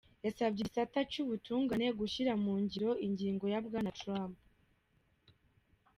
Yasavye igisata c'ubutungane gushira mu ngiro ingingo ya Bwana Trump.